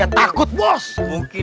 ada apaan sih